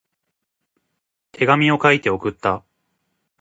手紙を書いて送った。